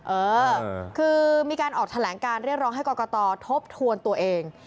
เออคือมีการออกแถลงการเรียกร้องให้กรกตทบทวนตัวเอง